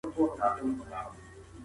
که جایزه وي نو هڅه نه کمیږي.